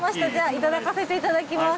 いただかせていただきます。